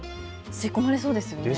吸い込まれそうですね。